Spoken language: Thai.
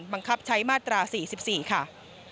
บังคับใช้มาตรา๔๔ค่ะ